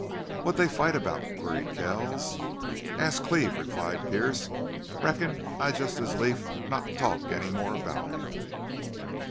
"What'd they fight about?" queried Kells. "Ask Cleve," replied Pearce. "Reckon I'd just as lief not talk any more about him."